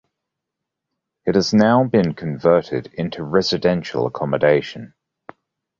It has now been converted into residential accommodation.